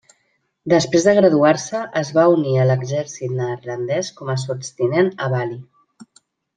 Després de graduar-se, es va unir a l'exèrcit neerlandès com a sotstinent a Bali.